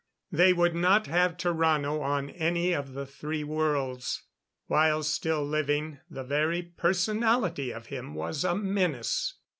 They would not have Tarrano on any of the three worlds. While still living, the very personality of him was a menace.